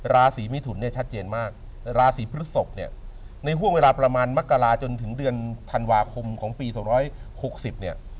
ราศีมิถุนเนี่ยชัดเจนมากราศีพฤศพเนี่ยในห่วงเวลาประมาณมกราจนถึงเดือนธันวาคมของปี๒๖๐เนี่ย